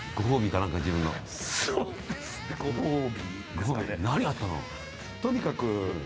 何があったの？